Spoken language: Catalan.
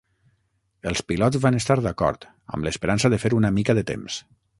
Els pilots van estar d'acord, amb l'esperança de fer una mica de temps.